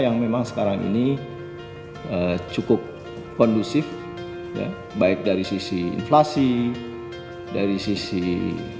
yang memang sekarang ini cukup kondusif baik dari sisi inflasi dari sisi